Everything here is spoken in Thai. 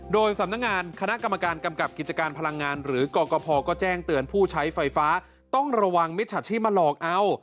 โดยสำนักงานคณะกรรมการกำกับกิจการพลังงานหรือกรกภก็แจ้งเตือนผู้ใช้ไฟฟ้าต้องระวังมิจฉาชีพมาหลอกเอา